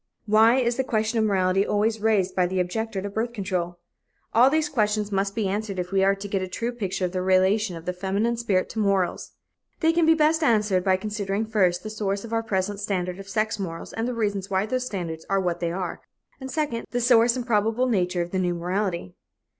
Why is the question of morality always raised by the objector to birth control? All these questions must be answered if we are to get a true picture of the relation of the feminine spirit to morals. They can best be answered by considering, first, the source of our present standard of sex morals and the reasons why those standards are what they are; and, second, the source and probable nature of the new morality.